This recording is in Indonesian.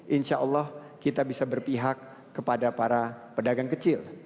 insya allah kita bisa berpihak kepada para pedagang kecil